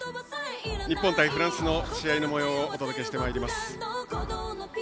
日本対フランスの試合のもようをお届けしてまいります。